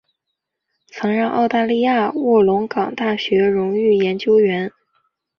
曾任澳大利亚卧龙岗大学荣誉研究员。